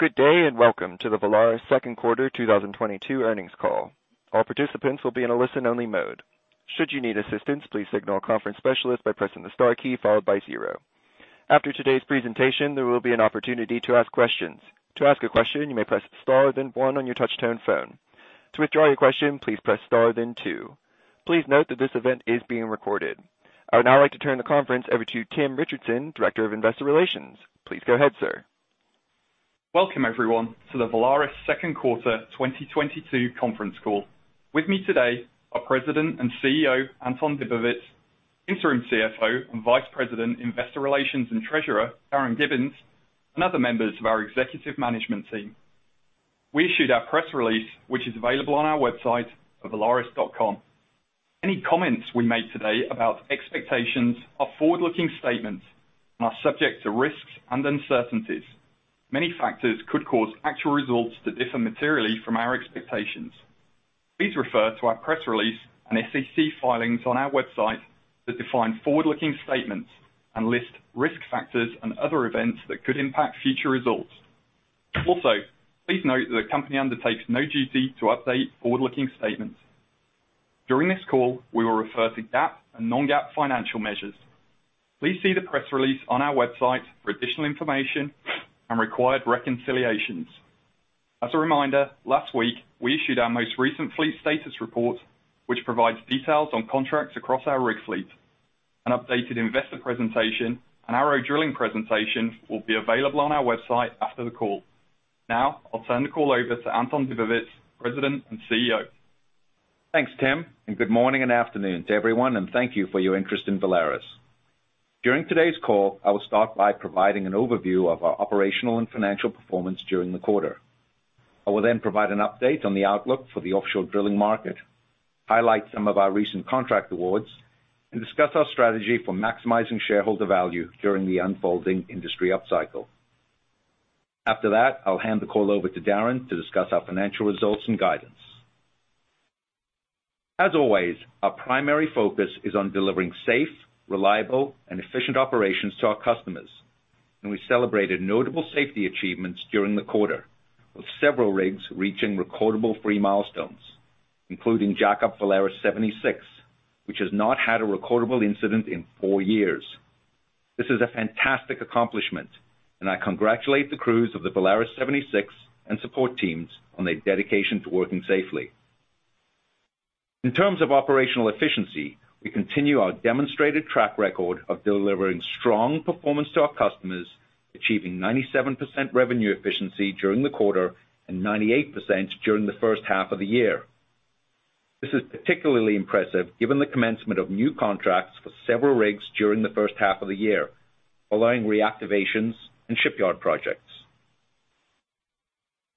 Good day, and welcome to the Valaris second quarter 2022 earnings call. All participants will be in a listen-only mode. Should you need assistance, please signal a conference specialist by pressing the star key followed by zero. After today's presentation, there will be an opportunity to ask questions. To ask a question, you may press star then one on your touch-tone phone. To withdraw your question, please press star then two. Please note that this event is being recorded. I would now like to turn the conference over to Tim Richardson, Director of Investor Relations. Please go ahead, sir. Welcome, everyone, to the Valaris second quarter 2022 conference call. With me today are President and CEO, Anton Dibowitz, Interim CFO and Vice President, Investor Relations and Treasurer, Darin Gibbins, and other members of our executive management team. We issued our press release, which is available on our website at valaris.com. Any comments we make today about expectations are forward-looking statements and are subject to risks and uncertainties. Many factors could cause actual results to differ materially from our expectations. Please refer to our press release and SEC filings on our website that define forward-looking statements and list risk factors and other events that could impact future results. Also, please note that the company undertakes no duty to update forward-looking statements. During this call, we will refer to GAAP and non-GAAP financial measures. Please see the press release on our website for additional information and required reconciliations. As a reminder, last week, we issued our most recent fleet status report, which provides details on contracts across our rig fleet. An updated investor presentation and our drilling presentation will be available on our website after the call. Now, I'll turn the call over to Anton Dibowitz, President and CEO. Thanks, Tim, and good morning and afternoon to everyone, and thank you for your interest in Valaris. During today's call, I will start by providing an overview of our operational and financial performance during the quarter. I will then provide an update on the outlook for the offshore drilling market, highlight some of our recent contract awards, and discuss our strategy for maximizing shareholder value during the unfolding industry upcycle. After that, I'll hand the call over to Darin to discuss our financial results and guidance. As always, our primary focus is on delivering safe, reliable, and efficient operations to our customers, and we celebrated notable safety achievements during the quarter, with several rigs reaching recordable-free milestones, jackup VALARIS 76, which has not had a recordable incident in four years. This is a fantastic accomplishment, and I congratulate the crews of the VALARIS 76 and support teams on their dedication to working safely. In terms of operational efficiency, we continue our demonstrated track record of delivering strong performance to our customers, achieving 97% revenue efficiency during the quarter and 98% during the first half of the year. This is particularly impressive given the commencement of new contracts for several rigs during the first half of the year, allowing reactivations and shipyard projects.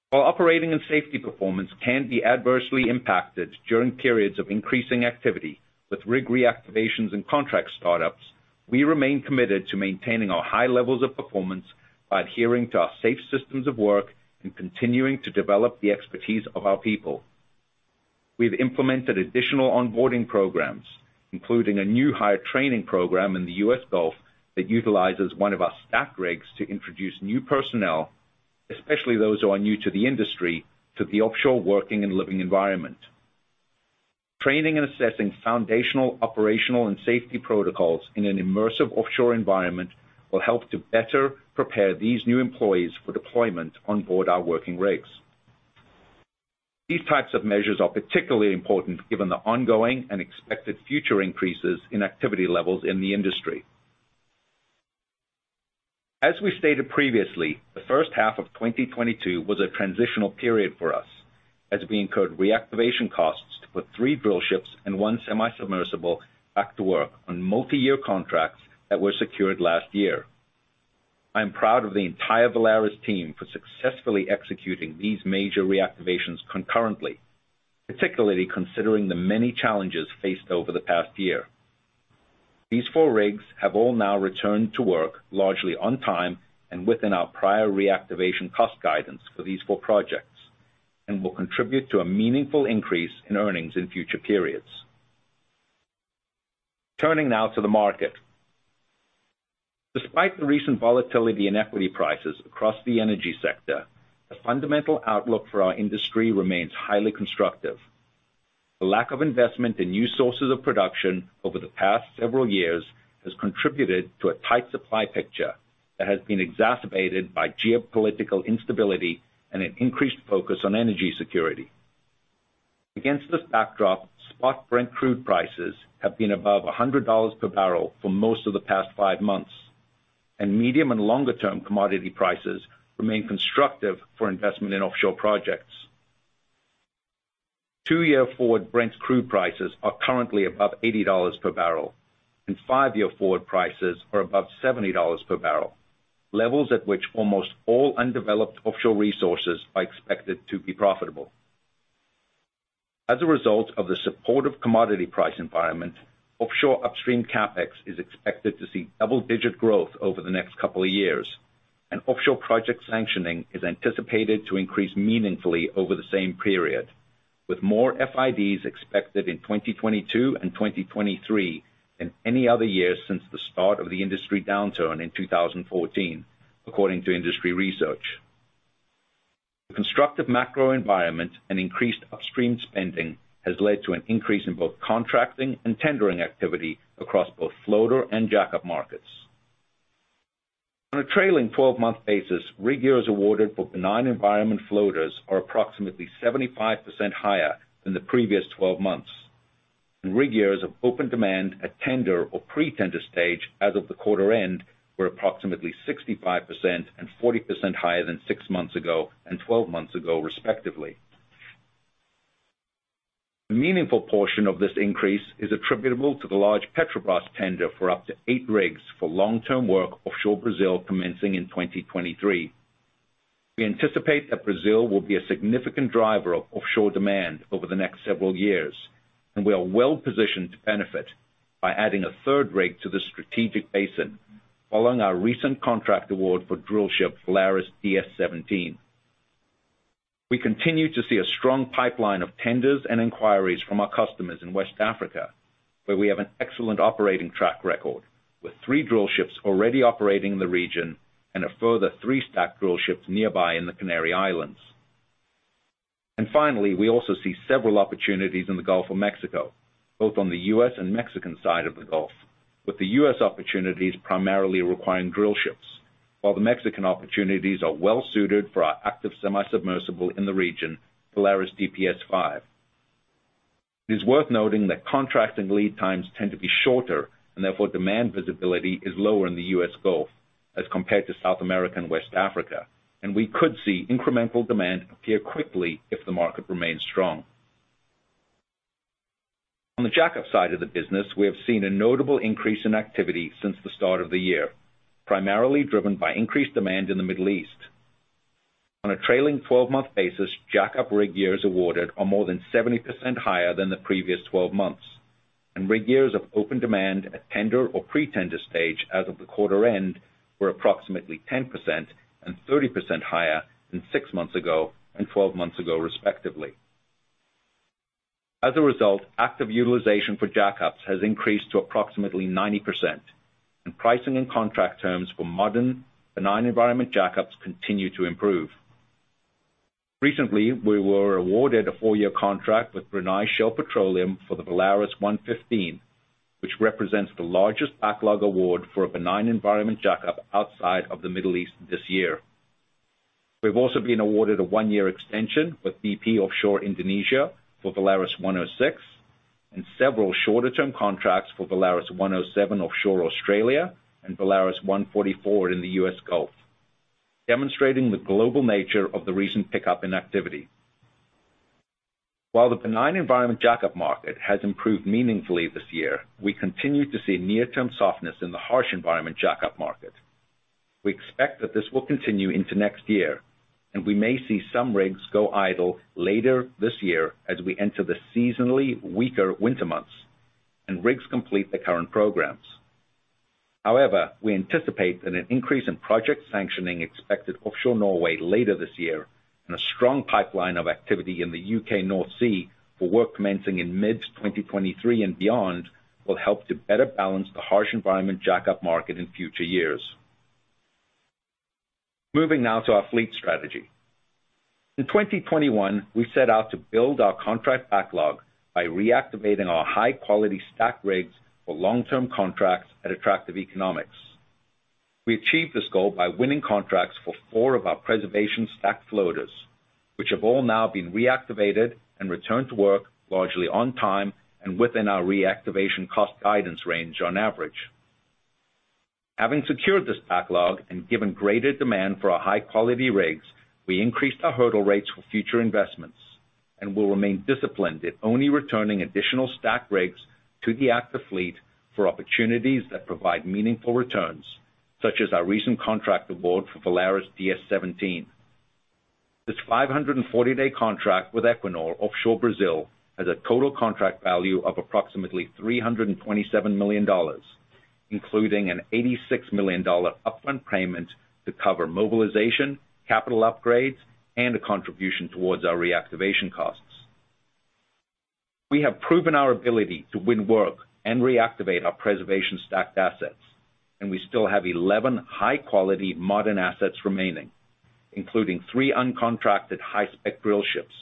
While operating and safety performance can be adversely impacted during periods of increasing activity with rig reactivations and contract startups, we remain committed to maintaining our high levels of performance by adhering to our safe systems of work and continuing to develop the expertise of our people. We've implemented additional onboarding programs, including a new hire training program in the U.S. Gulf that utilizes one of our staff rigs to introduce new personnel, especially those who are new to the industry, to the offshore working and living environment. Training and assessing foundational, operational, and safety protocols in an immersive offshore environment will help to better prepare these new employees for deployment on board our working rigs. These types of measures are particularly important given the ongoing and expected future increases in activity levels in the industry. As we stated previously, the first half of 2022 was a transitional period for us as we incurred reactivation costs to put three drillships and one semi-submersible back to work on multi-year contracts that were secured last year. I'm proud of the entire Valaris team for successfully executing these major reactivations concurrently, particularly considering the many challenges faced over the past year. These four rigs have all now returned to work largely on time and within our prior reactivation cost guidance for these four projects and will contribute to a meaningful increase in earnings in future periods. Turning now to the market. Despite the recent volatility in equity prices across the energy sector, the fundamental outlook for our industry remains highly constructive. The lack of investment in new sources of production over the past several years has contributed to a tight supply picture that has been exacerbated by geopolitical instability and an increased focus on energy security. Against this backdrop, spot Brent crude prices have been above $100 per barrel for most of the past five months, and medium and longer-term commodity prices remain constructive for investment in offshore projects. Two-year forward Brent crude prices are currently above $80 per barrel, and five-year forward prices are above $70 per barrel, levels at which almost all undeveloped offshore resources are expected to be profitable. As a result of the supportive commodity price environment, offshore upstream CapEx is expected to see double-digit growth over the next couple of years, and offshore project sanctioning is anticipated to increase meaningfully over the same period. With more FIDs expected in 2022 and 2023 than any other year since the start of the industry downturn in 2014, according to industry research. The constructive macro environment and increased upstream spending has led to an increase in both contracting and tendering activity across both floater and jackup markets. On a trailing 12-month basis, rig years awarded for benign environment floaters are approximately 75% higher than the previous 12 months, and rig years of open demand at tender or pre-tender stage as of the quarter end were approximately 65% and 40% higher than six months ago and 12 months ago, respectively. A meaningful portion of this increase is attributable to the large Petrobras tender for up to eight rigs for long-term work offshore Brazil commencing in 2023. We anticipate that Brazil will be a significant driver of offshore demand over the next several years, and we are well-positioned to benefit by adding a third rig to the strategic basin following our recent contract award for drillship VALARIS DS-17. We continue to see a strong pipeline of tenders and inquiries from our customers in West Africa, where we have an excellent operating track record, with three drillships already operating in the region and a further three stacked drillships nearby in the Canary Islands. We also see several opportunities in the Gulf of Mexico, both on the U.S. and Mexican side of the Gulf, with the U.S. opportunities primarily requiring drillships, while the Mexican opportunities are well suited for our active semisubmersible in the region, VALARIS DPS-5. It is worth noting that contract and lead times tend to be shorter and therefore demand visibility is lower in the U.S. Gulf as compared to South America and West Africa, and we could see incremental demand appear quickly if the market remains strong. On the jackup side of the business, we have seen a notable increase in activity since the start of the year, primarily driven by increased demand in the Middle East. On a trailing 12-month basis, jackup rig years awarded are more than 70% higher than the previous 12 months, and rig years of open demand at tender or pre-tender stage as of the quarter end were approximately 10% and 30% higher than six months ago and 12 months ago, respectively. As a result, active utilization for jackups has increased to approximately 90%, and pricing and contract terms for modern benign environment jackups continue to improve. Recently, we were awarded a four-year contract with Brunei Shell Petroleum for the VALARIS 115, which represents the largest backlog award for a benign environment jackup outside of the Middle East this year. We've also been awarded a one-year extension with BP Offshore Indonesia for VALARIS 106 and several shorter-term contracts for VALARIS 107 offshore Australia and VALARIS 144 in the U.S. Gulf, demonstrating the global nature of the recent pickup in activity. While the benign environment jackup market has improved meaningfully this year, we continue to see near-term softness in the harsh environment jackup market. We expect that this will continue into next year, and we may see some rigs go idle later this year as we enter the seasonally weaker winter months and rigs complete the current programs. However, we anticipate that an increase in project sanctioning expected offshore Norway later this year and a strong pipeline of activity in the U.K. North Sea for work commencing in mid-2023 and beyond will help to better balance the harsh environment jackup market in future years. Moving now to our fleet strategy. In 2021, we set out to build our contract backlog by reactivating our high-quality stacked rigs for long-term contracts at attractive economics. We achieved this goal by winning contracts for four of our preservation stacked floaters, which have all now been reactivated and returned to work largely on time and within our reactivation cost guidance range on average. Having secured this backlog and given greater demand for our high-quality rigs, we increased our hurdle rates for future investments and will remain disciplined in only returning additional stacked rigs to the active fleet for opportunities that provide meaningful returns, such as our recent contract award for VALARIS DS-17. This 540-day contract with Equinor offshore Brazil has a total contract value of approximately $327 million, including an $86 million upfront payment to cover mobilization, capital upgrades, and a contribution towards our reactivation costs. We have proven our ability to win work and reactivate our preservation-stacked assets, and we still have 11 high-quality modern assets remaining, including three uncontracted high-spec drillships,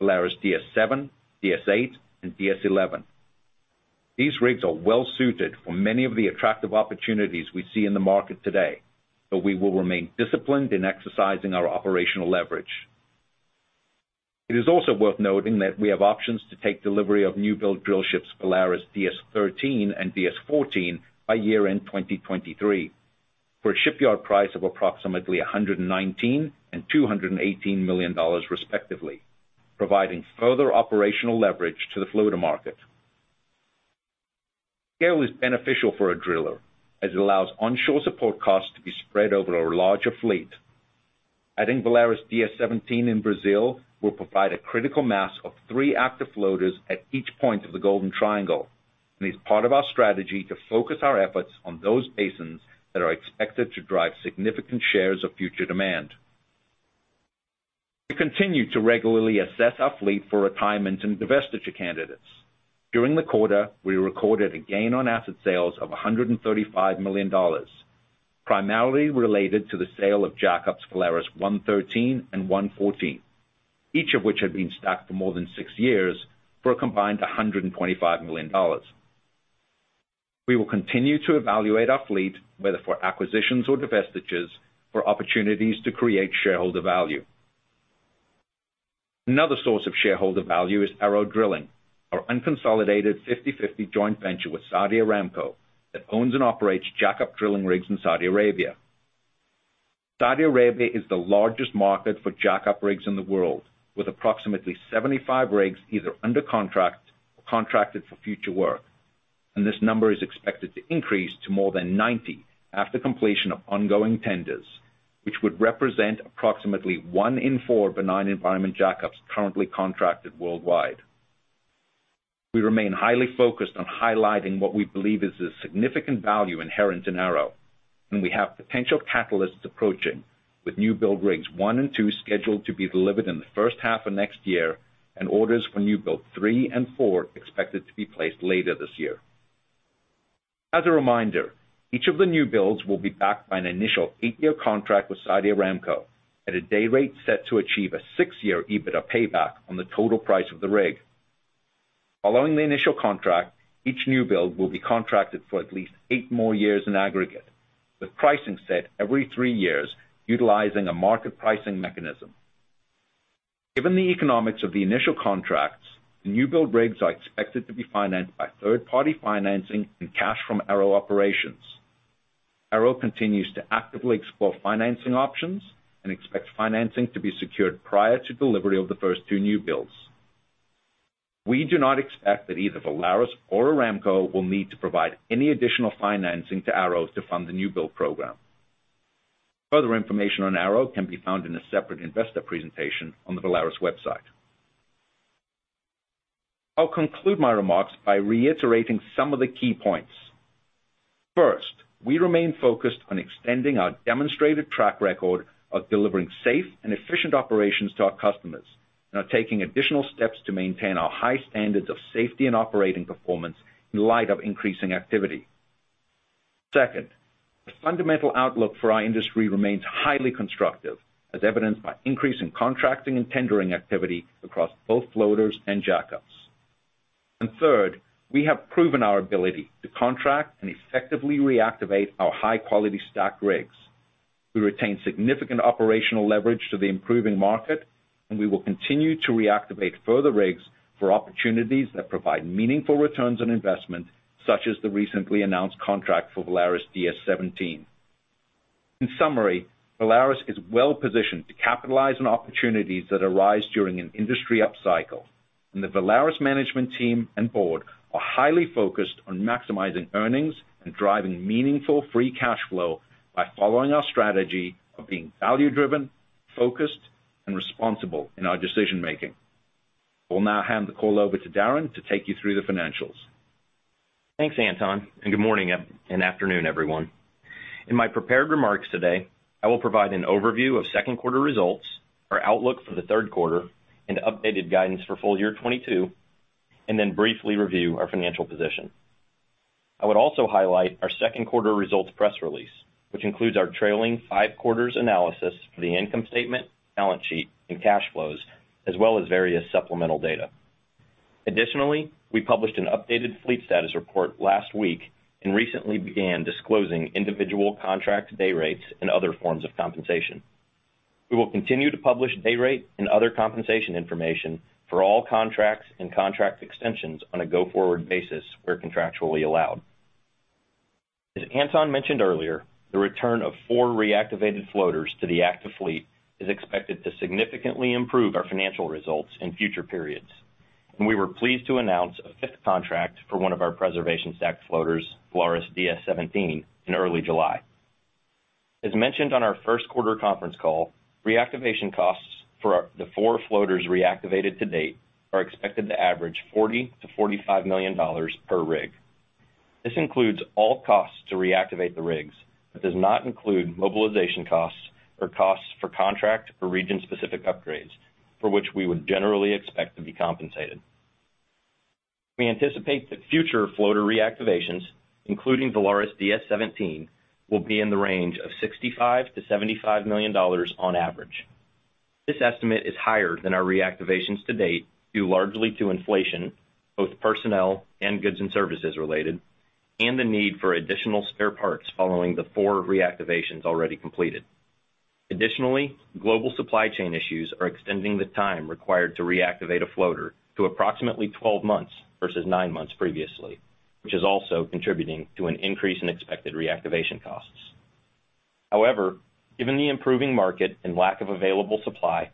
VALARIS DS-7, VALARIS DS-8, and VALARIS DS-11. These rigs are well-suited for many of the attractive opportunities we see in the market today, but we will remain disciplined in exercising our operational leverage. It is also worth noting that we have options to take delivery of new-build drillships VALARIS DS-13 and VALARIS DS-14 by year-end 2023 for a shipyard price of approximately $119 million and $218 million respectively, providing further operational leverage to the floater market. Scale is beneficial for a driller as it allows onshore support costs to be spread over a larger fleet. VALARIS DS-17 in brazil will provide a critical mass of three active floaters at each point of the Golden Triangle. It is part of our strategy to focus our efforts on those basins that are expected to drive significant shares of future demand. We continue to regularly assess our fleet for retirement and divestiture candidates. During the quarter, we recorded a gain on asset sales of $135 million, primarily related to the sale of jackups VALARIS 113 and VALARIS 114, each of which had been stacked for more than six years for a combined $125 million. We will continue to evaluate our fleet, whether for acquisitions or divestitures, for opportunities to create shareholder value. Another source of shareholder value is ARO Drilling, our unconsolidated 50/50 joint venture with Saudi Aramco that owns and operates jackup drilling rigs in Saudi Arabia. Saudi Arabia is the largest market for jackup rigs in the world, with approximately 75 rigs either under contract or contracted for future work, and this number is expected to increase to more than 90 after completion of ongoing tenders, which would represent approximately one in four benign environment jackups currently contracted worldwide. We remain highly focused on highlighting what we believe is the significant value inherent in ARO, and we have potential catalysts approaching with new build rigs one and two scheduled to be delivered in the first half of next year and orders for new build three and four expected to be placed later this year. As a reminder, each of the new builds will be backed by an initial eight-year contract with Saudi Aramco at a day rate set to achieve a six-year EBITDA payback on the total price of the rig. Following the initial contract, each new build will be contracted for at least eight more years in aggregate, with pricing set every three years utilizing a market pricing mechanism. Given the economics of the initial contracts, the new build rigs are expected to be financed by third-party financing and cash from ARO operations. ARO continues to actively explore financing options and expects financing to be secured prior to delivery of the first two new builds. We do not expect that either Valaris or Aramco will need to provide any additional financing to ARO to fund the new build program. Further information on ARO can be found in a separate investor presentation on the Valaris website. I'll conclude my remarks by reiterating some of the key points. First, we remain focused on extending our demonstrated track record of delivering safe and efficient operations to our customers and are taking additional steps to maintain our high standards of safety and operating performance in light of increasing activity. Second, the fundamental outlook for our industry remains highly constructive, as evidenced by an increase in contracting and tendering activity across both floaters and jackups. Third, we have proven our ability to contract and effectively reactivate our high-quality stacked rigs. We retain significant operational leverage to the improving market, and we will continue to reactivate further rigs for opportunities that provide meaningful returns on investment, such as the recently announced contract for VALARIS DS-17. In summary, Valaris is well-positioned to capitalize on opportunities that arise during an industry upcycle, and the Valaris management team and board are highly focused on maximizing earnings and driving meaningful free cash flow by following our strategy of being value-driven, focused, and responsible in our decision-making. I will now hand the call over to Darin to take you through the financials. Thanks, Anton, and good morning and afternoon, everyone. In my prepared remarks today, I will provide an overview of second quarter results, our outlook for the third quarter, and updated guidance for full year 2022, and then briefly review our financial position. I would also highlight our second quarter results press release, which includes our trailing five quarters analysis for the income statement, balance sheet, and cash flows, as well as various supplemental data. Additionally, we published an updated fleet status report last week and recently began disclosing individual contract day rates and other forms of compensation. We will continue to publish day rate and other compensation information for all contracts and contract extensions on a go-forward basis where contractually allowed. As Anton mentioned earlier, the return of four reactivated floaters to the active fleet is expected to significantly improve our financial results in future periods, and we were pleased to announce a fifth contract for one of our preservation stacked VALARIS DS-17, in early July. As mentioned on our first quarter conference call, reactivation costs for the four floaters reactivated to date are expected to average $40 million-$45 million per rig. This includes all costs to reactivate the rigs, but does not include mobilization costs or costs for contract or region-specific upgrades, for which we would generally expect to be compensated. We anticipate that future floater reactivations, VALARIS DS-17, will be in the range of $65 million-$75 million on average. This estimate is higher than our reactivations to date, due largely to inflation, both personnel and goods and services-related, and the need for additional spare parts following the four reactivations already completed. Additionally, global supply chain issues are extending the time required to reactivate a floater to approximately 12 months versus nine months previously, which is also contributing to an increase in expected reactivation costs. However, given the improving market and lack of available supply,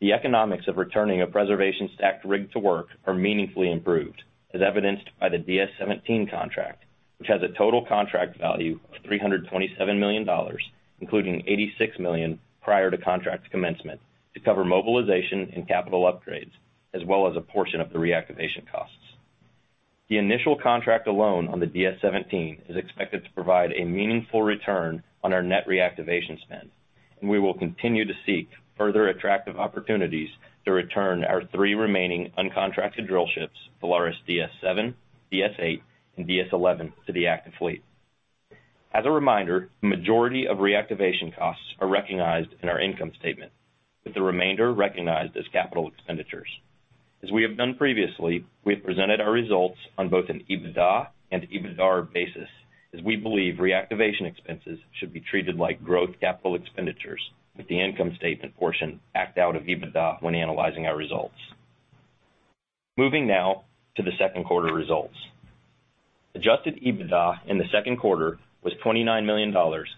the economics of returning a preservation stacked rig to work are meaningfully improved, as evidenced by VALARIS DS-17 contract, which has a total contract value of $327 million, including $86 million prior to contract commencement, to cover mobilization and capital upgrades, as well as a portion of the reactivation costs. The initial contract alone onVALARIS DS-17 is expected to provide a meaningful return on our net reactivation spend, and we will continue to seek further attractive opportunities to return our three remaining uncontracted drillships, VALARIS DS-7, VALARIS DS-8, and VALARIS DS-11 to the active fleet. As a reminder, majority of reactivation costs are recognized in our income statement, with the remainder recognized as capital expenditures. As we have done previously, we have presented our results on both an EBITDA and EBITDAR basis, as we believe reactivation expenses should be treated like growth capital expenditures with the income statement portion backed out of EBITDA when analyzing our results. Moving now to the second quarter results. Adjusted EBITDA in the second quarter was $29 million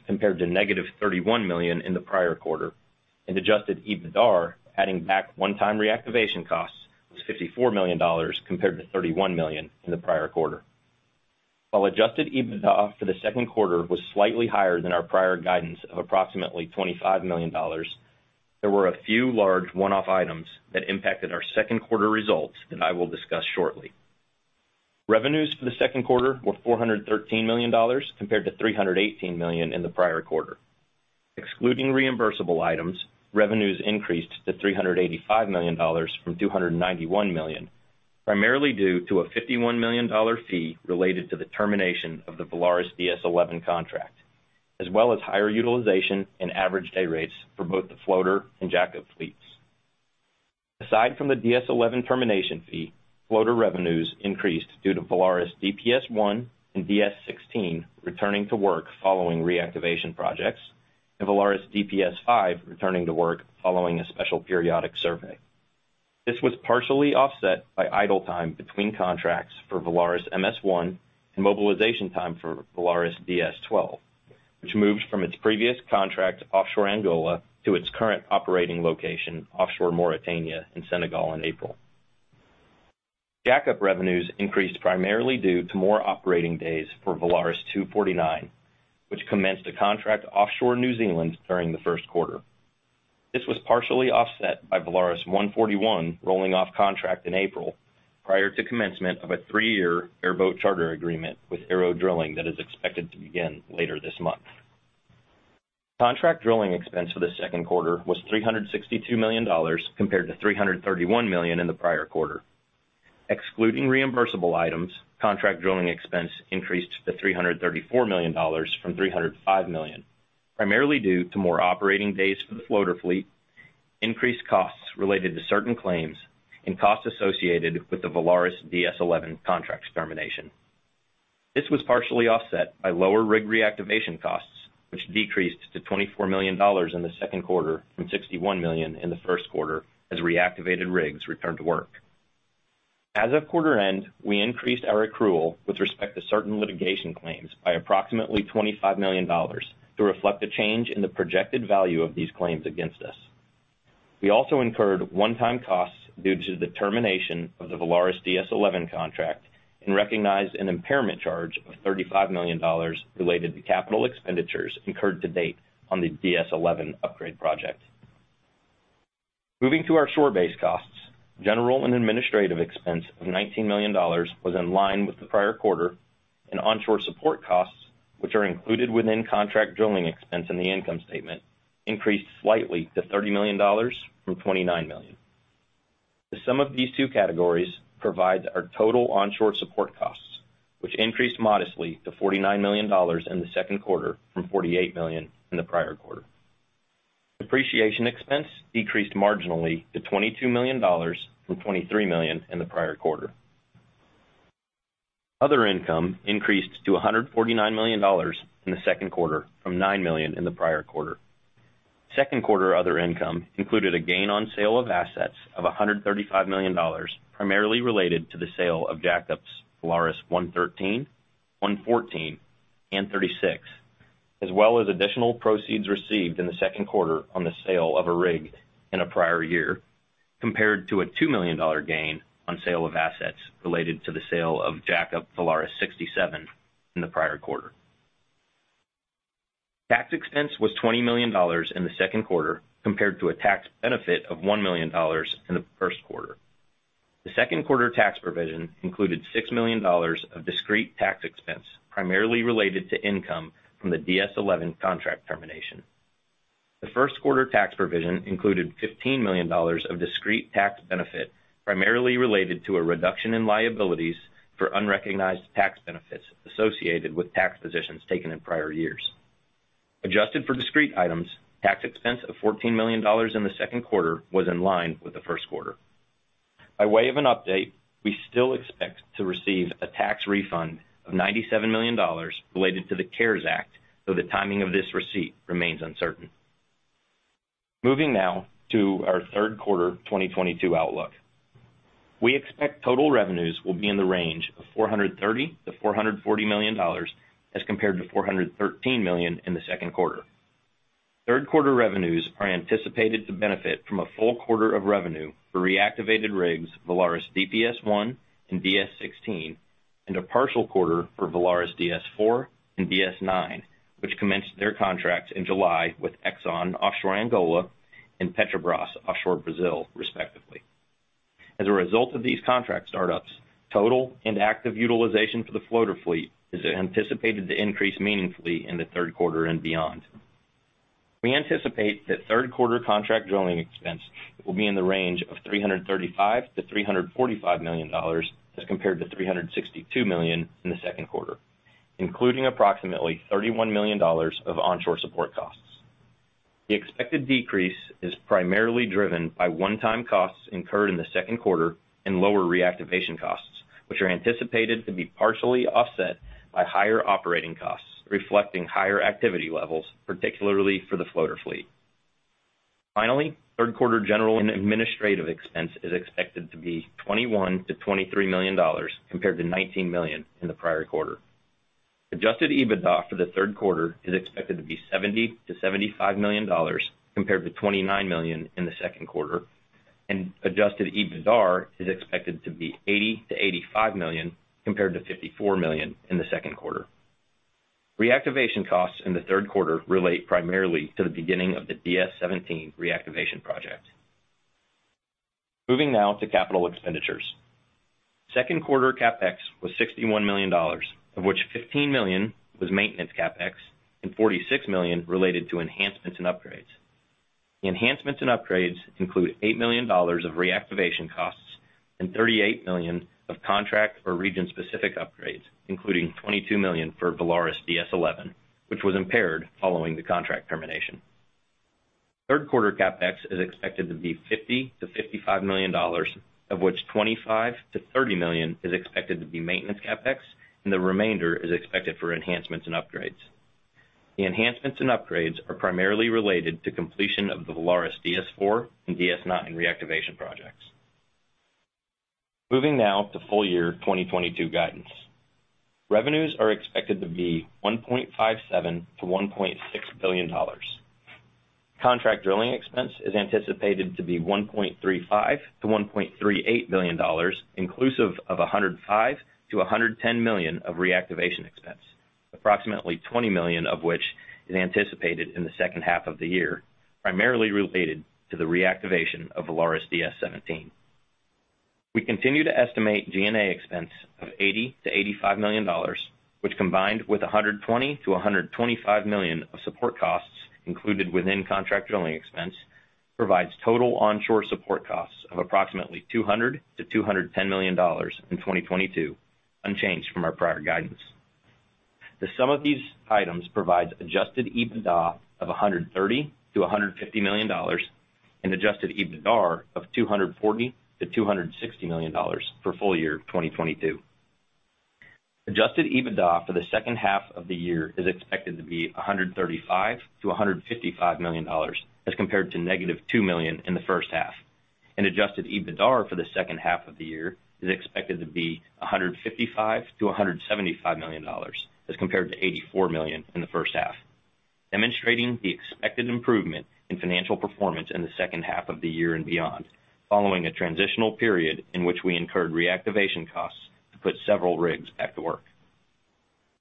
compared to -$31 million in the prior quarter, and adjusted EBITDAR, adding back one-time reactivation costs, was $54 million compared to $31 million in the prior quarter. While adjusted EBITDA for the second quarter was slightly higher than our prior guidance of approximately $25 million, there were a few large one-off items that impacted our second quarter results that I will discuss shortly. Revenues for the second quarter were $413 million compared to $318 million in the prior quarter. Excluding reimbursable items, revenues increased to $385 million from $291 million, primarily due to a $51 million fee related to the termination of the VALARIS DS-11 contract, as well as higher utilization and average day rates for both the floater and jackup fleets. Aside from the VALARIS DS-11 termination fee, floater revenues increased due to VALARIS DPS-1 and VALARIS DS-16 returning to work following reactivation projects, and VALARIS DPS-5 returning to work following a special periodic survey. This was partially offset by idle time between contracts for VALARIS MS-1 and mobilization time for VALARIS DS-12, which moved from its previous contract offshore Angola to its current operating location offshore Mauritania and Senegal in April. Jackup revenues increased primarily due to more operating days for VALARIS 249, which commenced a contract offshore New Zealand during the first quarter. This was partially offset by VALARIS 141 rolling off contract in April prior to commencement of a three-year bareboat charter agreement with ARO Drilling that is expected to begin later this month. Contract drilling expense for the second quarter was $362 million compared to $331 million in the prior quarter. Excluding reimbursable items, contract drilling expense increased to $334 million from $305 million, primarily due to more operating days for the floater fleet, increased costs related to certain claims, and costs associated with the VALARIS DS-11 contract's termination. This was partially offset by lower rig reactivation costs, which decreased to $24 million in the second quarter from $61 million in the first quarter as reactivated rigs returned to work. As of quarter end, we increased our accrual with respect to certain litigation claims by approximately $25 million to reflect the change in the projected value of these claims against us. We also incurred one-time costs due to the termination of the VALARIS DS-11 contract and recognized an impairment charge of $35 million related to capital expenditures incurred to date on the VALARIS DS-11 upgrade project. Moving to our shore-based costs, general and administrative expense of $19 million was in line with the prior quarter, and onshore support costs, which are included within contract drilling expense in the income statement, increased slightly to $30 million from $29 million. The sum of these two categories provides our total onshore support costs, which increased modestly to $49 million in the second quarter from $48 million in the prior quarter. Depreciation expense decreased marginally to $22 million from $23 million in the prior quarter. Other income increased to $149 million in the second quarter from $9 million in the prior quarter. Second quarter other income included a gain on sale of assets of $135 million, primarily related to the sale of jackups VALARIS 113, VALARIS 114, and VALARIS 36, as well as additional proceeds received in the second quarter on the sale of a rig in a prior year compared to a $2 million gain on sale of assets related to the sale of jackup VALARIS 67 in the prior quarter. Tax expense was $20 million in the second quarter compared to a tax benefit of $1 million in the first quarter. The second quarter tax provision included $6 million of discrete tax expense, primarily related to income from the VALARIS DS-11 contract termination. The first quarter tax provision included $15 million of discrete tax benefit, primarily related to a reduction in liabilities for unrecognized tax benefits associated with tax positions taken in prior years. Adjusted for discrete items, tax expense of $14 million in the second quarter was in line with the first quarter. By way of an update, we still expect to receive a tax refund of $97 million related to the CARES Act, though the timing of this receipt remains uncertain. Moving now to our third quarter 2022 outlook. We expect total revenues will be in the range of $430 million-$440 million as compared to $413 million in the second quarter. Third quarter revenues are anticipated to benefit from a full quarter of revenue for reactivated rigs VALARIS DPS-1 and DS-16, and a partial quarter for VALARIS DS-4 and VALARIS DS-9, which commenced their contracts in July with Exxon offshore Angola and Petrobras offshore Brazil respectively. As a result of these contract startups, total and active utilization for the floater fleet is anticipated to increase meaningfully in the third quarter and beyond. We anticipate that third quarter contract drilling expense will be in the range of $335 million-$345 million as compared to $362 million in the second quarter, including approximately $31 million of onshore support costs. The expected decrease is primarily driven by one-time costs incurred in the second quarter in lower reactivation costs, which are anticipated to be partially offset by higher operating costs, reflecting higher activity levels, particularly for the floater fleet. Third quarter general and administrative expense is expected to be $21 million-$23 million compared to $19 million in the prior quarter. Adjusted EBITDA for the third quarter is expected to be $70 million-$75 million compared to $29 million in the second quarter, and adjusted EBITDA is expected to be $80 million-$85 million compared to $54 million in the second quarter. Reactivation costs in the third quarter relate primarily to the beginning of the DS-17 reactivation project. Moving now to capital expenditures. Second quarter CapEx was $61 million, of which $15 million was maintenance CapEx and $46 million related to enhancements and upgrades. The enhancements and upgrades include $8 million of reactivation costs and $38 million of contract or region-specific upgrades, including $22 million for VALARIS DS-11, which was impaired following the contract termination. Third quarter CapEx is expected to be $50million-$55 million, of which $25 million-$30 million is expected to be maintenance CapEx, and the remainder is expected for enhancements and upgrades. The enhancements and upgrades are primarily related to completion of the VALARIS DS-4 and VALARIS DS-9 reactivation projects. Moving now to full-year 2022 guidance. Revenues are expected to be $1.57 billion-$1.6 billion. Contract drilling expense is anticipated to be $1.35 billion-$1.38 billion, inclusive of $105 million-$110 million of reactivation expense. Approximately $20 million of which is anticipated in the second half of the year, primarily related to the reactivation of VALARIS DS-17. We continue to estimate G&A expense of $80 million-$85 million, which combined with $120 million-$125 million of support costs included within contract drilling expense, provides total onshore support costs of approximately $200 mllion-$210 million in 2022, unchanged from our prior guidance. The sum of these items provides adjusted EBITDA of $130 million-$150 million and adjusted EBITDA of $240 million-$260 million for full year 2022. Adjusted EBITDA for the second half of the year is expected to be $135 million-$155 million as compared to -$2 million in the first half. Adjusted EBITDA for the second half of the year is expected to be $155 million-$175 million as compared to $84 million in the first half, demonstrating the expected improvement in financial performance in the second half of the year and beyond, following a transitional period in which we incurred reactivation costs to put several rigs back to work.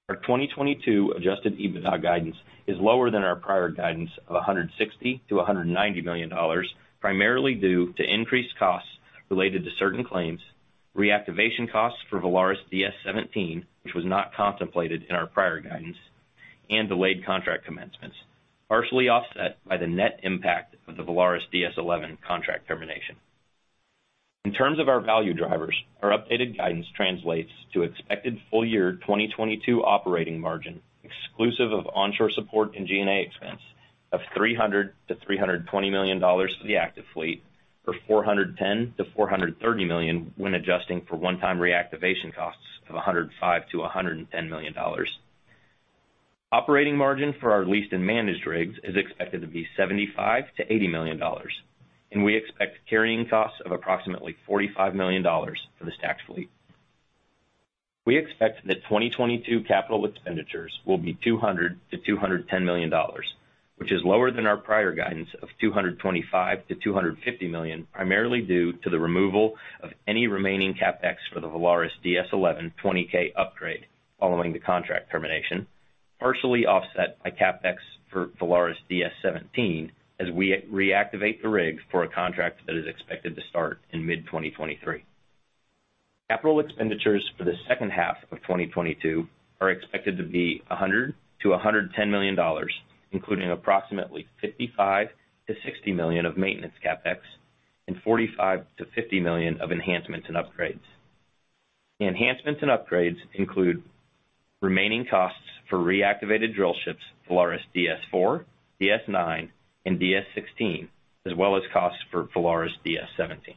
Our 2022 adjusted EBITDA guidance is lower than our prior guidance of $160 million-$190 million, primarily due to increased costs related to certain claims, reactivation VALARIS DS-17, which was not contemplated in our prior guidance, and delayed contract commencements, partially offset by the net impact of the VALARIS DS-11 contract termination. In terms of our value drivers, our updated guidance translates to expected full year 2022 operating margin exclusive of onshore support and G&A expense of $300 million-$320 million for the active fleet for $410 million-$430 million when adjusting for one-time reactivation costs of $105 million-$110 million. Operating margin for our leased and managed rigs is expected to be $75 million-$80 million, and we expect carrying costs of approximately $45 million for the stacked fleet. We expect that 2022 capital expenditures will be $200 million-$210 million, which is lower than our prior guidance of $225 million-$250 million, primarily due to the removal of any remaining CapEx for the VALARIS DS-11 20K upgrade following the contract termination, partially offset by VALARIS DS-17 as we reactivate the rig for a contract that is expected to start in mid-2023. Capital expenditures for the second half of 2022 are expected to be $100 million-$110 million, including approximately $55 million-$60 million of maintenance CapEx and $45 million-$50 million of enhancements and upgrades. The enhancements and upgrades include remaining costs for reactivated drillships VALARIS DS-4, VALARIS DS-9, and VALARIS DS-16, as well as costs for VALARIS DS-17.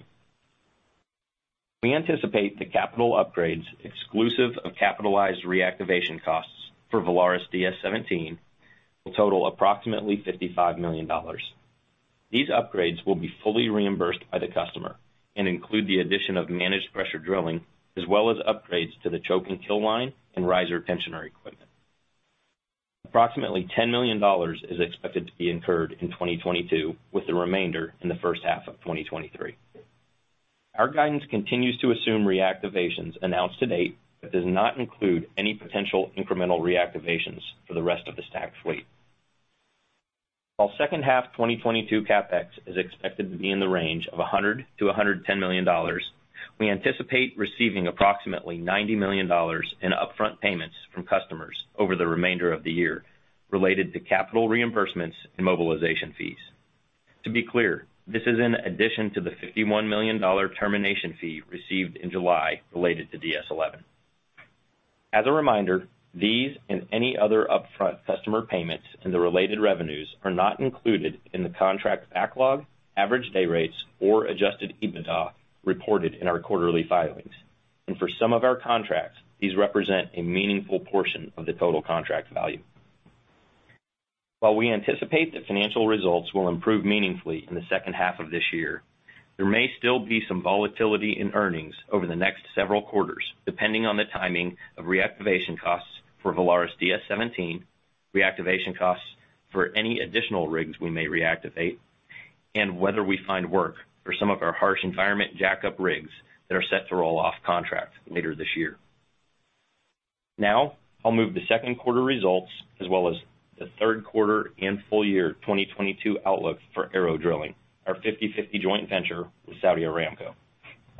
We anticipate the capital upgrades exclusive of capitalized reactivation VALARIS DS-17 will total approximately $55 million. These upgrades will be fully reimbursed by the customer and include the addition of managed pressure drilling, as well as upgrades to the choke and kill line and riser tensioner equipment. Approximately $10 million is expected to be incurred in 2022, with the remainder in the first half of 2023. Our guidance continues to assume reactivations announced to date, but does not include any potential incremental reactivations for the rest of the stacked fleet. While second half 2022 CapEx is expected to be in the range of $100-$110 million, we anticipate receiving approximately $90 million in upfront payments from customers over the remainder of the year related to capital reimbursements and mobilization fees. To be clear, this is in addition to the $51 million termination fee received in July related to VALARIS DS-11. As a reminder, these and any other upfront customer payments and the related revenues are not included in the contract backlog, average day rates, or adjusted EBITDA reported in our quarterly filings. For some of our contracts, these represent a meaningful portion of the total contract value. While we anticipate that financial results will improve meaningfully in the second half of this year, there may still be some volatility in earnings over the next several quarters, depending on the timing of reactivation VALARIS DS-17, reactivation costs for any additional rigs we may reactivate, and whether we find work for some of our harsh environment jackup rigs that are set to roll off contracts later this year. Now I'll move to second quarter results as well as the third quarter and full year 2022 outlook for ARO Drilling, our 50/50 joint venture with Saudi Aramco.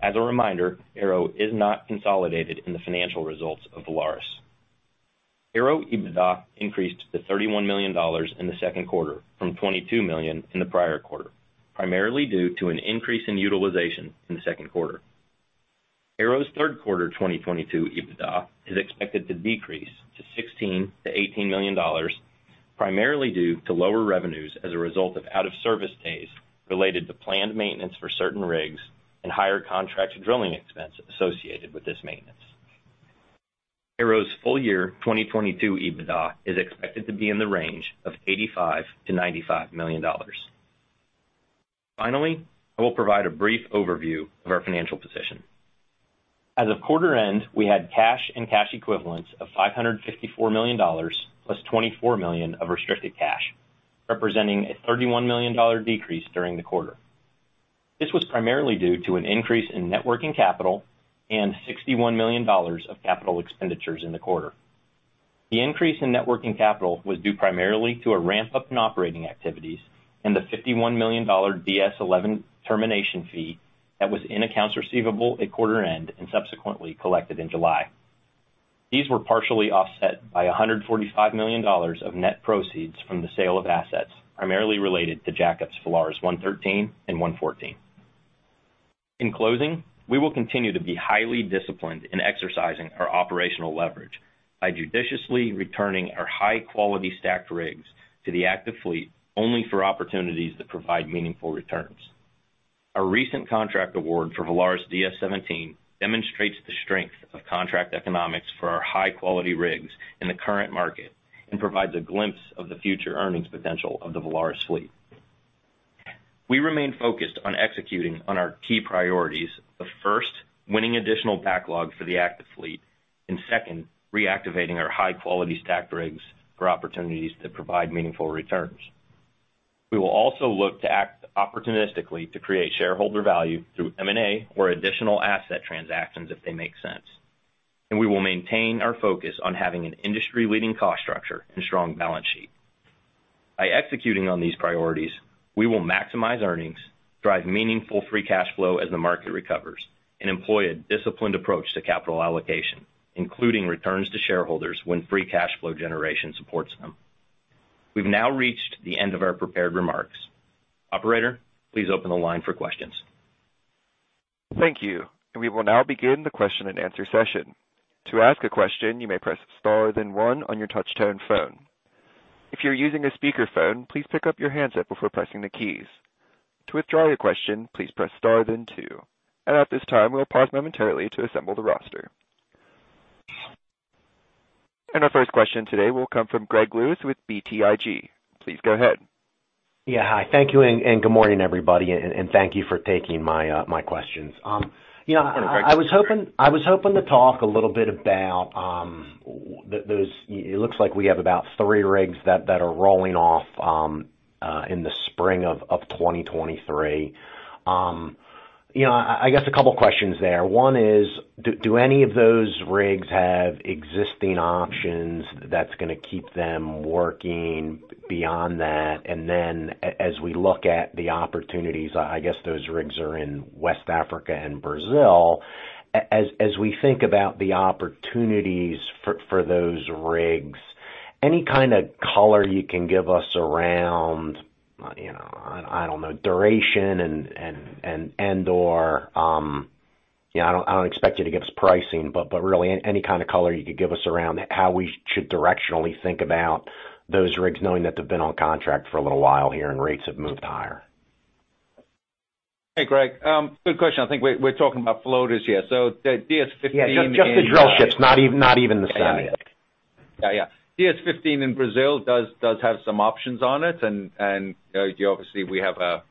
As a reminder, ARO is not consolidated in the financial results of VALARIS. ARO EBITDA increased to $31 million in the second quarter from $22 million in the prior quarter, primarily due to an increase in utilization in the second quarter. ARO's third quarter 2022 EBITDA is expected to decrease to $16-$18 million, primarily due to lower revenues as a result of out-of-service days related to planned maintenance for certain rigs and higher contract drilling expenses associated with this maintenance. ARO's full year 2022 EBITDA is expected to be in the range of $85 million-$95 million. Finally, I will provide a brief overview of our financial position. As of quarter end, we had cash and cash equivalents of $554 million, plus $24 million of restricted cash, representing a $31 million decrease during the quarter. This was primarily due to an increase in net working capital and $61 million of capital expenditures in the quarter. The increase in net working capital was due primarily to a ramp up in operating activities and the $51 million VALARIS DS-11 termination fee that was in accounts receivable at quarter end and subsequently collected in July. These were partially offset by $145 million of net proceeds from the sale of assets, primarily related to jackups VALARIS 113 and VALARIS 114. In closing, we will continue to be highly disciplined in exercising our operational leverage by judiciously returning our high-quality stacked rigs to the active fleet only for opportunities that provide meaningful returns. Our recent contract VALARIS DS-17 demonstrates the strength of contract economics for our high-quality rigs in the current market and provides a glimpse of the future earnings potential of the VALARIS fleet. We remain focused on executing on our key priorities of, first, winning additional backlog for the active fleet, and second, reactivating our high-quality stacked rigs for opportunities that provide meaningful returns. We will also look to act opportunistically to create shareholder value through M&A or additional asset transactions if they make sense. We will maintain our focus on having an industry-leading cost structure and strong balance sheet. By executing on these priorities, we will maximize earnings, drive meaningful free cash flow as the market recovers, and employ a disciplined approach to capital allocation, including returns to shareholders when free cash flow generation supports them. We've now reached the end of our prepared remarks. Operator, please open the line for questions. Thank you. We will now begin the question-and-answer session. To ask a question, you may press star then one on your touch-tone phone. If you're using a speakerphone, please pick up your handset before pressing the keys. To withdraw your question, please press star then two. At this time, we'll pause momentarily to assemble the roster. Our first question today will come from Greg Lewis with BTIG. Please go ahead. Yeah. Hi. Thank you, and good morning, everybody, and thank you for taking my questions. You know- Sure. Greg I was hoping to talk a little bit about those. It looks like we have about three rigs that are rolling off in the spring of 2023. You know, I guess a couple questions there. One is do any of those rigs have existing options that's gonna keep them working beyond that? Then as we look at the opportunities, I guess those rigs are in West Africa and Brazil. As we think about the opportunities for those rigs, any kind of color you can give us around, you know, I don't know, duration and/or, you know, I don't expect you to give us pricing, but really any kind of color you could give us around how we should directionally think about those rigs, knowing that they've been on contract for a little while here and rates have moved higher. Hey, Greg. Good question. I think we're talking about floaters here. The VALARIS DS-15 and Just the drillships, not even the semi Yeah, yeah. VALARIS DS-15 in Brazil does have some options on it and you know you obviously we have a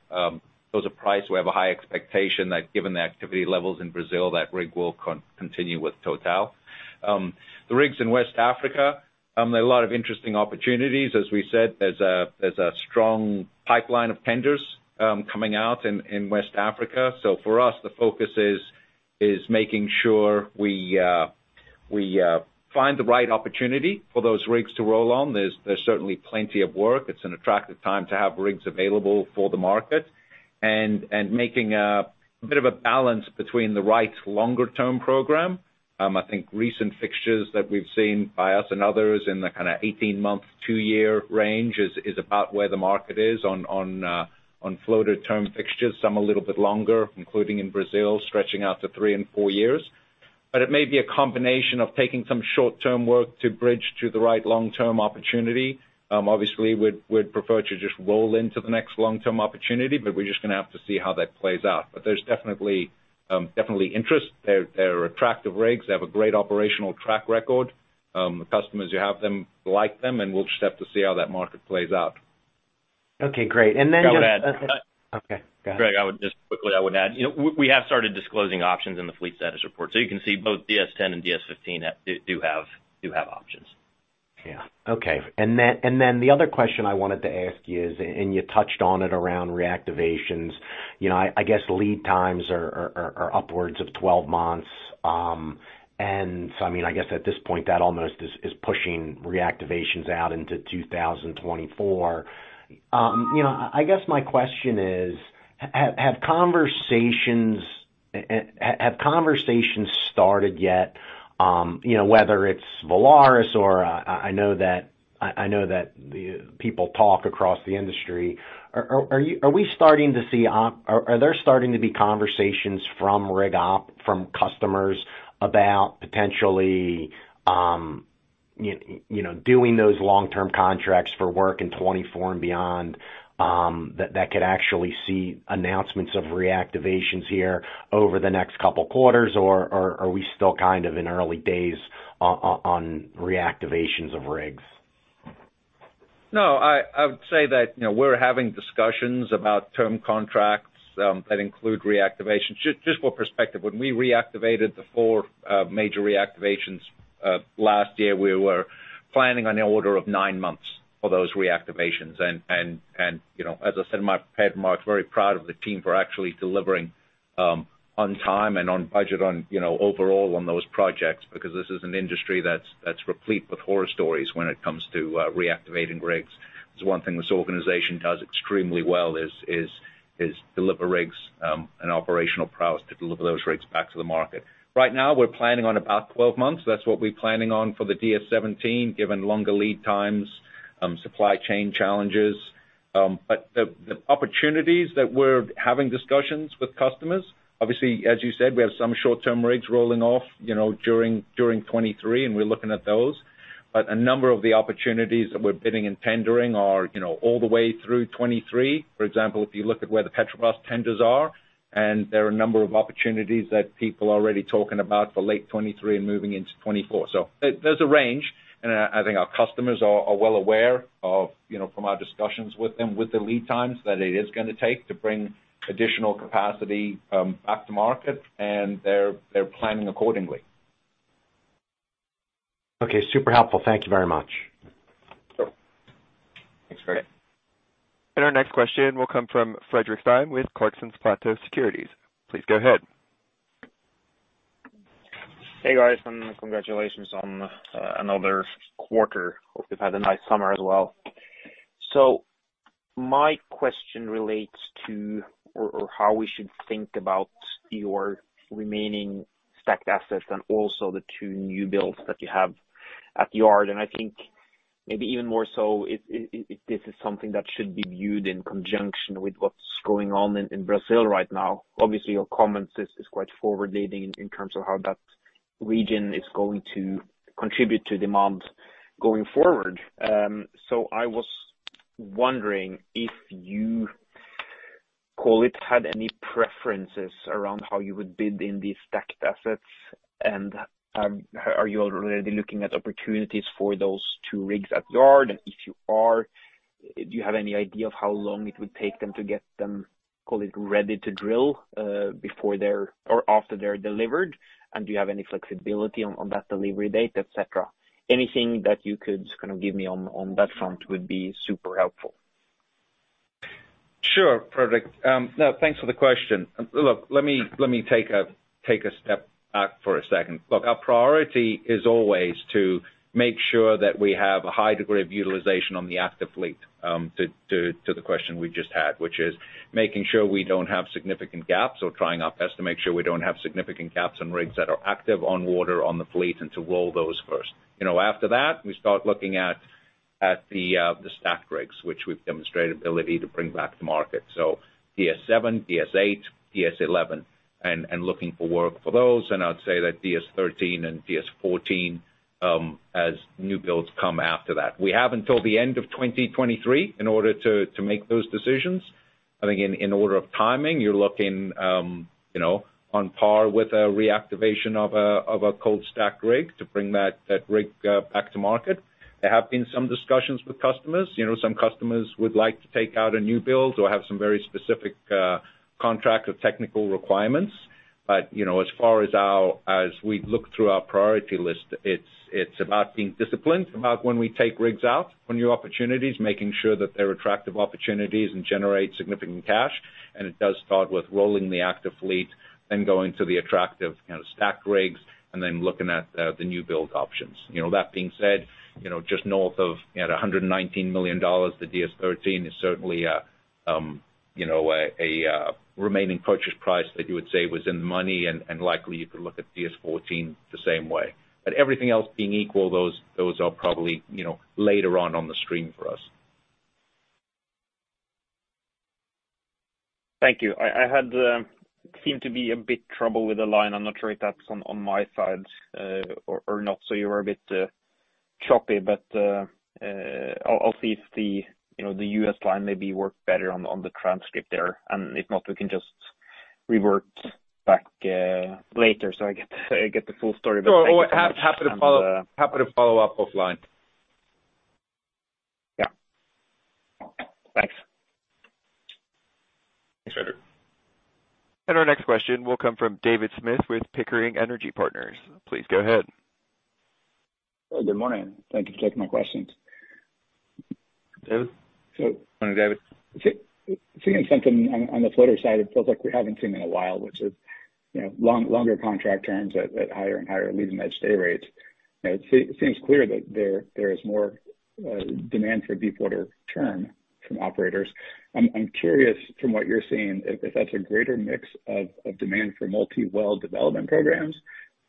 there's a price. We have a high expectation that given the activity levels in Brazil, that rig will continue with TotalEnergies. The rigs in West Africa, there are a lot of interesting opportunities. As we said, there's a strong pipeline of tenders coming out in West Africa. For us, the focus is making sure we We find the right opportunity for those rigs to roll on. There's certainly plenty of work. It's an attractive time to have rigs available for the market and making a bit of a balance between the right longer-term program. I think recent fixtures that we've seen by us and others in the kinda 18-month to two-year range is about where the market is on floater term fixtures, some a little bit longer, including in Brazil, stretching out to three and four years. It may be a combination of taking some short-term work to bridge to the right long-term opportunity. Obviously, we'd prefer to just roll into the next long-term opportunity, but we're just gonna have to see how that plays out. There's definitely interest. They're attractive rigs. They have a great operational track record. The customers who have them like them, and we'll just have to see how that market plays out. Okay, great. I would add. Okay, go ahead. Greg, I would just quickly, I would add, you know, we have started disclosing options in the fleet status report. You can see both VALARIS DS-10 and VALARIS DS-15 have options. Yeah. Okay. The other question I wanted to ask you is, and you touched on it around reactivations. You know, I guess lead times are upwards of 12 months. I mean, I guess at this point, that almost is pushing reactivations out into 2024. You know, I guess my question is, have conversations started yet, you know, whether it's Valaris or, I know that people talk across the industry. Are there starting to be conversations from rig op, from customers about potentially, you know, doing those long-term contracts for work in 2024 and beyond, that could actually see announcements of reactivations here over the next couple quarters, or are we still kind of in early days on reactivations of rigs? No, I would say that, you know, we're having discussions about term contracts that include reactivation. Just for perspective, when we reactivated the four major reactivations last year, we were planning on the order of nine months for those reactivations. You know, as I said, the Head, Mark, very proud of the team for actually delivering on time and on budget on, you know, overall on those projects, because this is an industry that's replete with horror stories when it comes to reactivating rigs. It's one thing this organization does extremely well is deliver rigs and operational prowess to deliver those rigs back to the market. Right now, we're planning on about 12 months. That's what we're planning on for the VALARIS DS-17, given longer lead times, supply chain challenges. The opportunities that we're having discussions with customers, obviously, as you said, we have some short-term rigs rolling off, you know, during 2023, and we're looking at those. A number of the opportunities that we're bidding and tendering are, you know, all the way through 2023. For example, if you look at where the Petrobras tenders are, and there are a number of opportunities that people are already talking about for late 2023 and moving into 2024. There's a range, and I think our customers are well aware of, you know, from our discussions with them with the lead times that it is gonna take to bring additional capacity back to market, and they're planning accordingly. Okay, super helpful. Thank you very much. Sure. Thanks, Greg. Our next question will come from Fredrik Stene with Clarksons Platou Securities. Please go ahead. Hey, guys, congratulations on another quarter. Hope you've had a nice summer as well. My question relates to how we should think about your remaining stacked assets and also the two new builds that you have at the yard. I think maybe even more so if this is something that should be viewed in conjunction with what's going on in Brazil right now. Obviously, your comments is quite forward-looking in terms of how that region is going to contribute to demand going forward. I was wondering if you, call it, had any preferences around how you would bid in these stacked assets. Are you already looking at opportunities for those two rigs at yard? If you are, do you have any idea of how long it would take them to get them, call it, ready to drill, before they're or after they're delivered? Do you have any flexibility on that delivery date, et cetera? Anything that you could just kinda give me on that front would be super helpful. Sure, Fredrik. No, thanks for the question. Look, let me take a step back for a second. Look, our priority is always to make sure that we have a high degree of utilization on the active fleet, to the question we just had, which is making sure we don't have significant gaps or trying our best to make sure we don't have significant gaps on rigs that are active on water on the fleet and to roll those first. You know, after that, we start looking at the stacked rigs, which we've demonstrated ability to bring back to market. VALARIS DS-7, VALARIS DS-8, VALARIS DS-11, and looking for work for those. I'd say that VALARIS DS-13 and VALARIS DS-14, as new builds come after that. We have until the end of 2023 in order to make those decisions. I think in order of timing, you're looking on par with a reactivation of a cold stacked rig to bring that rig back to market. There have been some discussions with customers. Some customers would like to take out a new build or have some very specific contract or technical requirements. As we look through our priority list, it's about being disciplined about when we take rigs out, when new opportunities, making sure that they're attractive opportunities and generate significant cash. It does start with rolling the active fleet and going to the attractive stack rigs and then looking at the new build options. You know, that being said, you know, just north of $119 million, the VALARIS DS-13 is certainly a remaining purchase price that you would say was in the money and likely you could look at VALARIS DS-14 the same way. Everything else being equal, those are probably, you know, later downstream for us. Thank you. I seemed to have a bit of trouble with the line. I'm not sure if that's on my side or not. You were a bit choppy, but I'll see if, you know, the U.S. line maybe work better on the transcript there. If not, we can just revert back later so I get the full story. Thank you very much. Sure. Happy to follow up offline. Yeah. Thanks. Thanks, Fredrik. Our next question will come from David Smith with Pickering Energy Partners. Please go ahead. Good morning. Thank you for taking my questions. David. So- Morning, David. Seeing something on the floater side it feels like we haven't seen in a while, which is, you know, longer contract terms at higher and higher leading edge dayrates. It seems clear that there is more demand for deepwater term from operators. I'm curious from what you're seeing if that's a greater mix of demand for multi-well development programs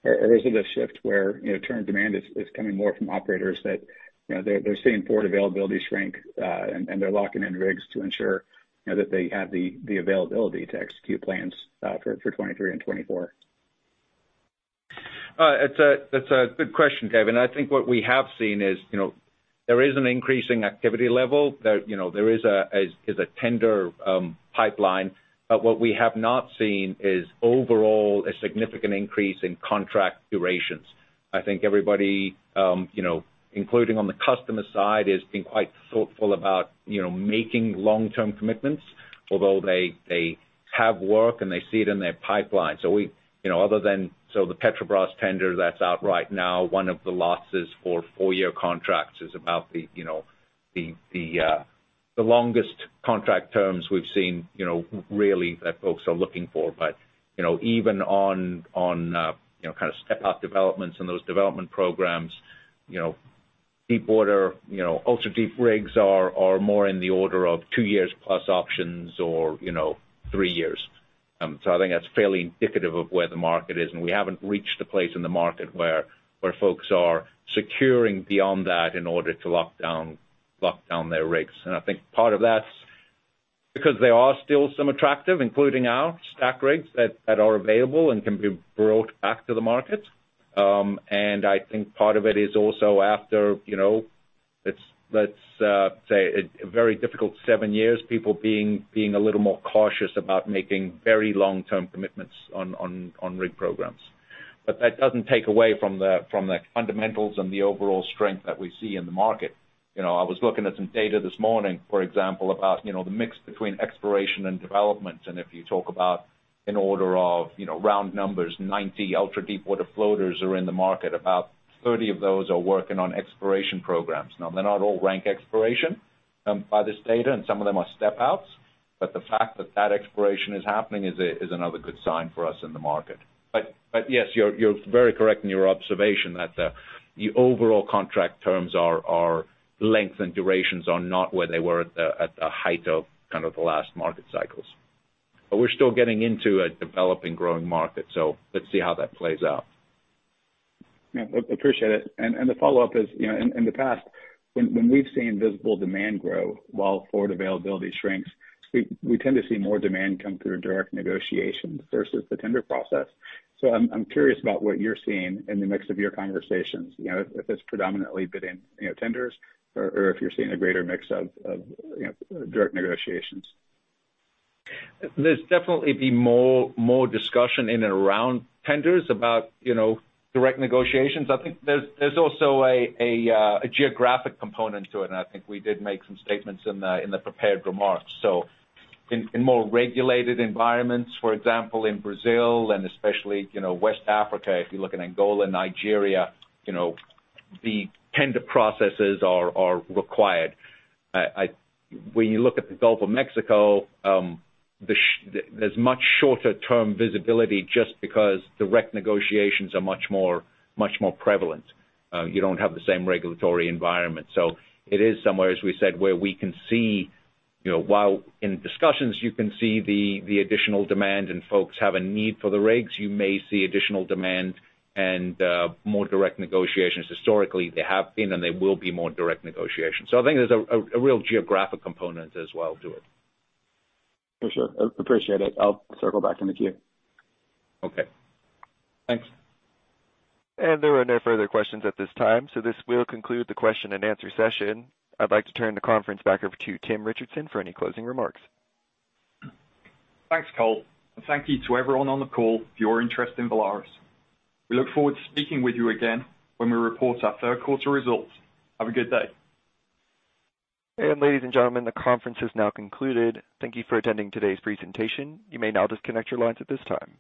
or is it a shift where, you know, term demand is coming more from operators that, you know, they're seeing forward availability shrink, and they're locking in rigs to ensure, you know, that they have the availability to execute plans for 2023 and 2024? It's a good question, David. I think what we have seen is, you know, there is an increasing activity level that, you know, there is a tender pipeline. But what we have not seen is overall a significant increase in contract durations. I think everybody, you know, including on the customer side, has been quite thoughtful about, you know, making long-term commitments, although they have work and they see it in their pipeline. Other than the Petrobras tender that's out right now, one of the longest for four-year contracts is about the longest contract terms we've seen, you know, really that folks are looking for. You know, even on kind of step-up developments and those development programs, you know, deepwater, you know, ultra-deep rigs are more in the order of two years plus options or, you know, three years. So I think that's fairly indicative of where the market is, and we haven't reached a place in the market where folks are securing beyond that in order to lock down their rigs. I think part of that's because there are still some attractive, including our stack rigs that are available and can be brought back to the market. I think part of it is also after, you know, let's say a very difficult 7 years, people being a little more cautious about making very long-term commitments on rig programs. That doesn't take away from the fundamentals and the overall strength that we see in the market. You know, I was looking at some data this morning, for example, about you know the mix between exploration and development. If you talk about an order of you know round numbers, 90 ultra-deepwater floaters are in the market. About 30 of those are working on exploration programs. Now, they're not all rank exploration by this data, and some of them are step outs, but the fact that exploration is happening is another good sign for us in the market. Yes, you're very correct in your observation that the overall contract terms are their lengths and durations are not where they were at the height of kind of the last market cycles. We're still getting into a developing growing market, so let's see how that plays out. Yeah, appreciate it. The follow-up is, you know, in the past, when we've seen visible demand grow while forward availability shrinks, we tend to see more demand come through direct negotiations versus the tender process. I'm curious about what you're seeing in the mix of your conversations, you know, if it's predominantly been, you know, tenders or if you're seeing a greater mix of, you know, direct negotiations. There's definitely been more discussion in and around tenders about, you know, direct negotiations. I think there's also a geographic component to it, and I think we did make some statements in the prepared remarks. In more regulated environments, for example, in Brazil and especially, you know, West Africa, if you look at Angola and Nigeria, you know, the tender processes are required. When you look at the Gulf of Mexico, there's much shorter term visibility just because direct negotiations are much more prevalent. You don't have the same regulatory environment. It is somewhere, as we said, where we can see, you know, while in discussions you can see the additional demand and folks have a need for the rigs, you may see additional demand and more direct negotiations. Historically, they have been and they will be more direct negotiations. I think there's a real geographic component as well to it. For sure. Appreciate it. I'll circle back in the queue. Okay. Thanks. There are no further questions at this time. This will conclude the question and answer session. I'd like to turn the conference back over to Tim Richardson for any closing remarks. Thanks, Cole. Thank you to everyone on the call for your interest in Valaris. We look forward to speaking with you again when we report our third quarter results. Have a good day. Ladies and gentlemen, the conference is now concluded. Thank you for attending today's presentation. You may now disconnect your lines at this time.